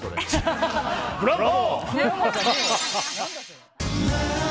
ブラボー！